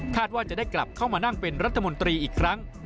ว่าจะได้กลับเข้ามานั่งเป็นรัฐมนตรีอีกครั้ง